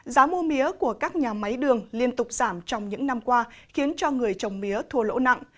giá mua mía của các nhà máy đường liên tục giảm trong những năm qua khiến cho người trồng mía thua lỗ nặng